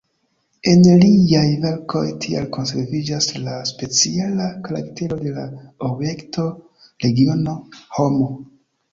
En liaj verkoj tial konserviĝas la speciala karaktero de la objekto, regiono, homo.